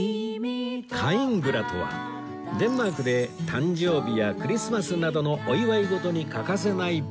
カイングラとはデンマークで誕生日やクリスマスなどのお祝い事に欠かせないパン